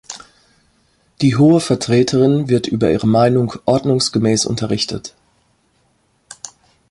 Die Hohe Vertreterin wird über Ihre Meinung ordnungsgemäß unterrichtet.